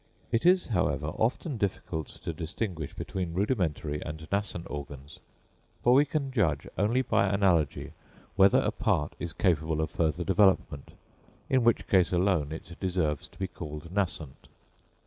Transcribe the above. It is, however, often difficult to distinguish between rudimentary and nascent organs; for we can judge only by analogy whether a part is capable of further development, in which case alone it deserves to be called nascent.